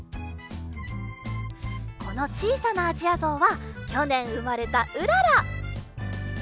このちいさなアジアゾウはきょねんうまれたうらら！